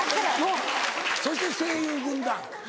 そして声優軍団。